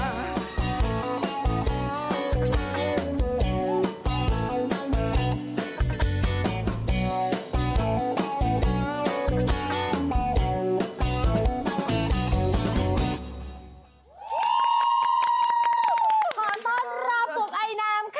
ขอต้อนรับปลูกไอนามค่ะ